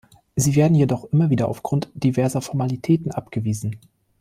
Sie werden jedoch immer wieder aufgrund diverser Formalitäten abgewiesen.